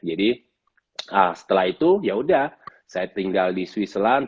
jadi setelah itu ya sudah saya tinggal di switzerland